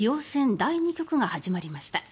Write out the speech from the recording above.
第２局が始まりました。